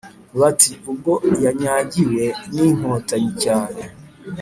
bati:ubwo yanyagiwe n'inkotanyi cyane,